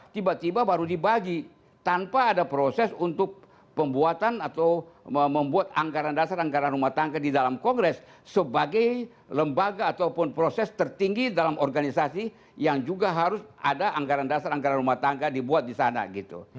tiba tiba baru dibagi tanpa ada proses untuk pembuatan atau membuat anggaran dasar anggaran rumah tangga di dalam kongres sebagai lembaga ataupun proses tertinggi dalam organisasi yang juga harus ada anggaran dasar anggaran rumah tangga dibuat di sana gitu